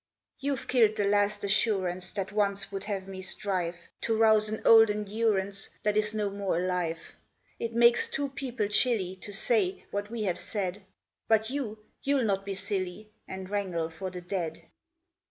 "You've killed the last assurance That once would have me strive To rouse an old endurance That is no more alive. It makes two people chilly To say what we have said, But you you'll not be silly And wrangle for the dead.